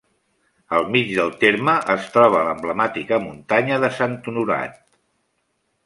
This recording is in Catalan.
Al mig del terme es troba l'emblemàtica muntanya de Sant Honorat.